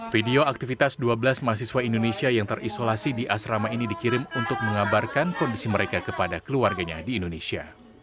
video aktivitas dua belas mahasiswa indonesia yang terisolasi di asrama ini dikirim untuk mengabarkan kondisi mereka kepada keluarganya di indonesia